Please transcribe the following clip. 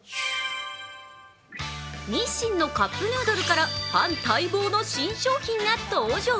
日清のカップヌードルからファン待望の新商品が登場。